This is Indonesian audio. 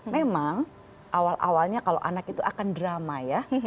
memang awal awalnya kalau anak itu akan drama ya